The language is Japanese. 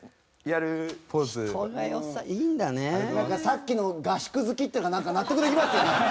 さっきの合宿好きっていうのが納得できますよね。